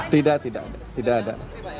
tidak tidak tidak ada